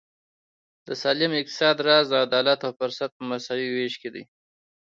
د سالم اقتصاد راز د عدالت او فرصت په مساوي وېش کې دی.